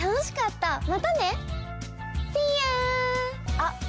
あっ。